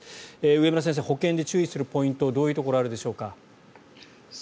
植村先生保険で注意するポイントどういうところがあるでしょうか。